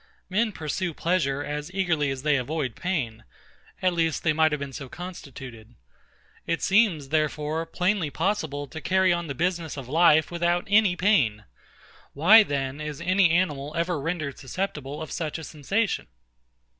Men pursue pleasure as eagerly as they avoid pain; at least they might have been so constituted. It seems, therefore, plainly possible to carry on the business of life without any pain. Why then is any animal ever rendered susceptible of such a sensation?